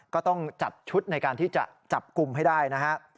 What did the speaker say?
ก็ต้องจัดชุดในการที่จะจับกลุ่มให้ได้นะฮะ